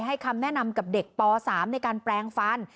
คำแนะนำกับเด็กป๓ในการแปลงฟัน